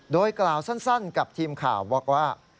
โดยกล่าวสั้นกับทีมข่าวบอกว่า